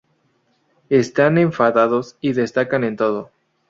Están enfadados y destacan en todo.